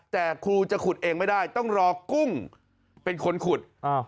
แต่ครูจะขุดเองไม่ได้ต้องรอกุ้งเป็นคนขุด